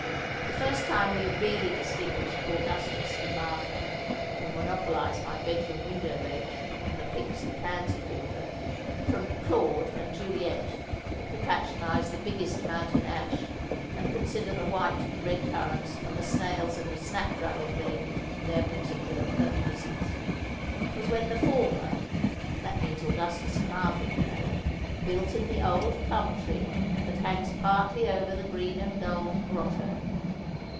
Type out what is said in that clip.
The first time we really distinguished Augustus and Martha (who monopolise my bedroom window ledge, and the pinks and pansy border) from Claude and Juliet (who patronise the biggest mountain ash, and consider the white and red currants and the snails in the snapdragon bed their particular perquisites) was when the former (that means Augustus and Martha, you know) built in the old plum tree that hangs partly over the green and gold grotto.